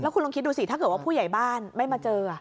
คุณลองคิดดูสิถ้าเกิดว่าผู้ใหญ่บ้านไม่มาเจอ